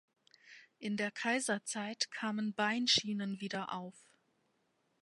In der Kaiserzeit kamen Beinschienen wieder auf.